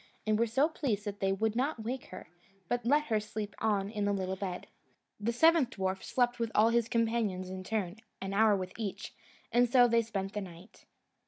and were so pleased that they would not wake her, but let her sleep on in the little bed. The seventh dwarf slept with all his companions in turn, an hour with each, and so they spent the night.